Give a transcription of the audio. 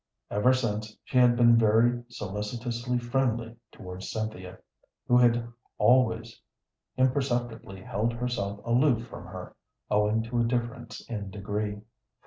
Ever since she had been very solicitously friendly towards Cynthia, who had always imperceptibly held herself aloof from her, owing to a difference in degree.